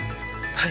はい。